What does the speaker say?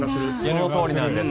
そのとおりなんです。